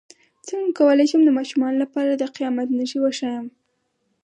څنګه کولی شم د ماشومانو لپاره د قیامت نښې وښایم